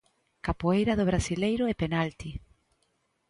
Capoeira do brasileiro e penalti.